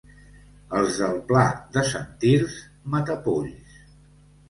Els del Pla de Sant Tirs, matapolls.